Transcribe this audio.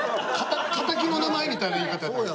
敵の名前みたいな言い方やった。